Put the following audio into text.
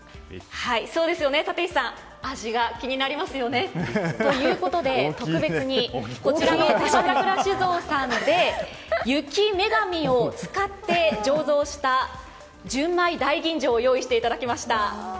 味が気になりますよね。ということで特別にこちらの出羽桜酒造さんで雪女神を使って醸造した純米大吟醸を用意していただきました。